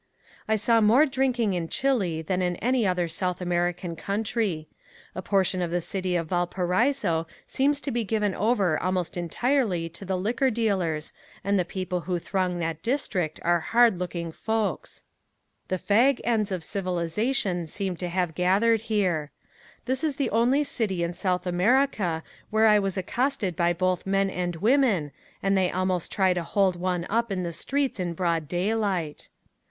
I saw more drinking in Chile than in any other South American country. A portion of the city of Valparaiso seems to be given over almost entirely to the liquor dealers and the people who throng that district are hard looking folks. The fag ends of civilization seem to have gathered here. This is the only city in South America where I was accosted by both men and women and they almost try to hold one up in the streets in broad daylight.